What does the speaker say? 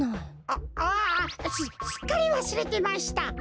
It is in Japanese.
あああすすっかりわすれてました。